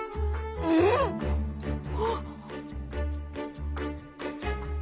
うん？あっ。